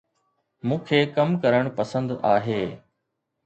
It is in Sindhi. مون کي ڪم ڪرڻ پسند آهي